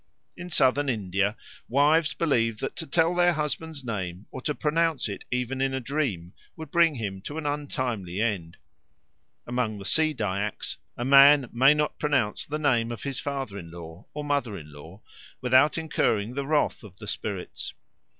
In Southern India wives believe that to tell their husband's name or to pronounce it even in a dream would bring him to an untimely end. Among the Sea Dyaks a man may not pronounce the name of his father in law or mother in law without incurring the wrath of the spirits.